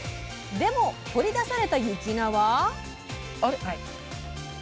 でも掘り出された雪菜は。